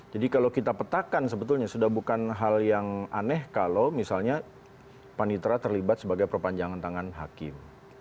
jadi kalau kita petakan sebetulnya sudah bukan hal yang aneh kalau misalnya panitra terlibat sebagai perpanjangan tangan hakim